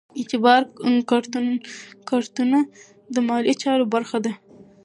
اعتبار کارتونه د مالي چارو برخه ده.